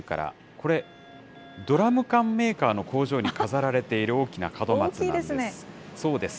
これ、ドラム缶メーカーの工場に飾られている大きな門松です。